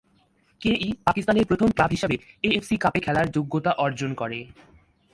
কেই পাকিস্তানের প্রথম ক্লাব হিসাবে এএফসি কাপে খেলার যোগ্যতা অর্জন করে।